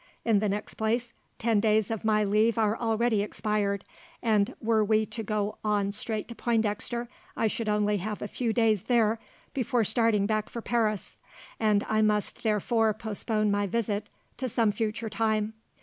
In the next place, ten days of my leave are already expired, and were we to go on straight to Pointdexter, I should only have a few days there before starting back for Paris, and I must therefore postpone my visit to some future time.